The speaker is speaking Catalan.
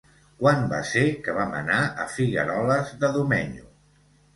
Quan va ser que vam anar a Figueroles de Domenyo?